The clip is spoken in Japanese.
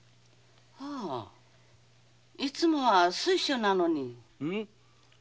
ああいつもは水晶なのに。